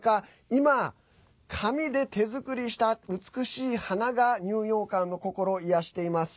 今、紙で手作りした美しい花がニューヨーカーの心を癒やしています。